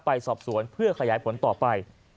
ไปสอบสวนเพื่อขยายผลต่อไป